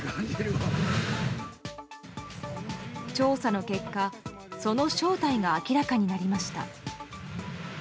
調査の結果その正体が明らかになりました。